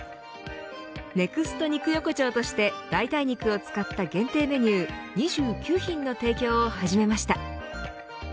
ＮＥＸＴ肉横丁として代替肉を使った限定メニュー２９品の提供を始めました。